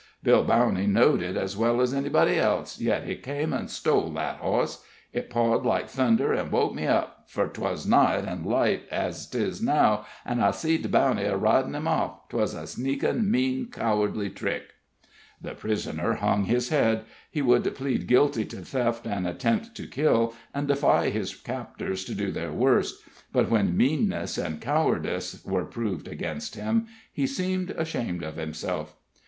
Bill Bowney knowed it as well's anybody else, yet he come and stole that hoss. It pawed like thunder, an' woke me up fur 'twas night, an' light as 'tis now an' I seed Bowney a ridin' him off. 'Twas a sneakin', mean, cowardly trick." The prisoner hung his head; he would plead guilty to theft and attempt to kill, and defy his captors to do their worst; but when meanness and cowardice were proved against him, he seemed ashamed of himself.